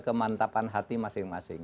kemantapan hati masing masing